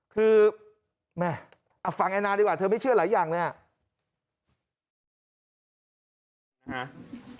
คือแม่ฟังแอนนาดีกว่าเธอไม่เชื่อหลายอย่างเลยอ่ะ